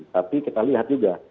tapi kita lihat juga